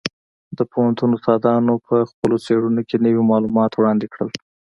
د پوهنتون استادانو په خپلو څېړنو کې نوي معلومات وړاندې کړل.